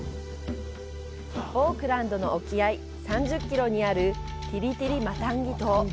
オークランドの沖合３０キロにあるティリティリマタンギ島。